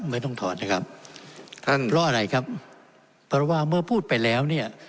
ไม่ต้องถอดนะครับท่านเพราะอะไรครับเพราะว่าเมื่อพูดไปแล้วเนี่ย